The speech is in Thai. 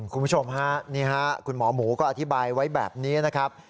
คุณผู้ชมฮะนี่ฮะคุณหมอหมูก็อธิบายไว้แบบนี้นะครับ